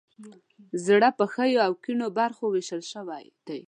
زړه په ښیو او کیڼو برخو ویشل شوی دی.